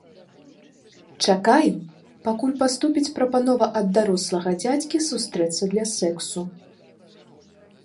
Чакаем, пакуль паступіць прапанова ад дарослага дзядзькі сустрэцца для сэксу.